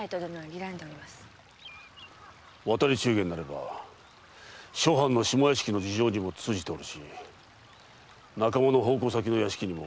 渡り中間なれば諸藩の下屋敷の事情にも通じておるし仲間の奉公先の屋敷にもたやすく出入りできるな。